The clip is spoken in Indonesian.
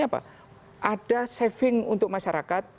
apa ada saving untuk masyarakat